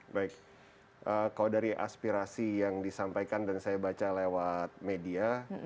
baik kalau dari aspirasi yang disampaikan dan saya baca lewat media